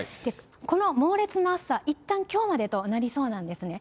この猛烈な暑さ、いったんきょうまでとなりそうなんですね。